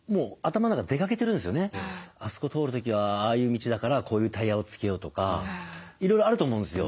あそこ通る時はああいう道だからこういうタイヤをつけようとかいろいろあると思うんですよ